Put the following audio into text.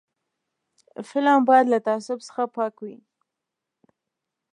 فلم باید له تعصب څخه پاک وي